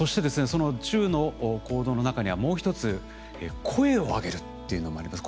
その１０の行動の中にはもう一つ「声を上げる」っていうのもあります。